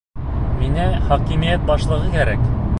Миңә хакимиәт башлығы кәрәк.